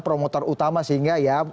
promoter utama sehingga ya